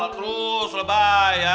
terus lebay ya